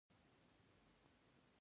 ایا زه باید ضمانت وکړم؟